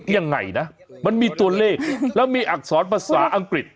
ยังไงนะมันมีตัวเลขแล้วมีอักษรภาษาอังกฤษ